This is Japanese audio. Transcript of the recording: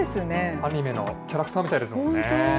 アニメのキャラクターみたいですよね。